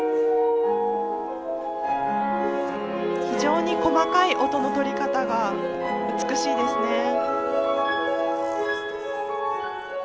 非常に細かい音の取り方が美しいですね。